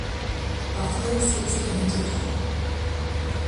The buffalo escapes again into the jungle.